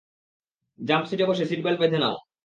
Jump সিটে বসে seat belt বেঁধে নাও।